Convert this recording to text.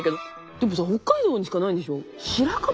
でもさ北海道にしかないんでしょ？